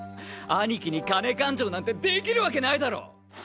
兄貴に金勘定なんてできるわけないだろ！